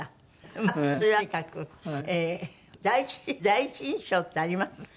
まあそれはとにかく第一印象ってあります？